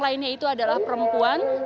lainnya itu adalah perempuan